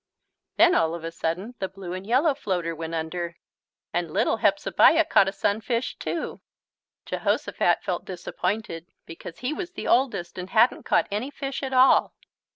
Then all of a sudden the blue and yellow floater went under and little Hepzebiah caught a sunfish, too. Jehosophat felt disappointed because he was the oldest and hadn't caught any fish at all.